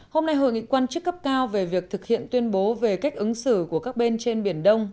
hôm nay hội nghị quan chức cấp cao về việc thực hiện tuyên bố về cách ứng xử của các bên trên biển đông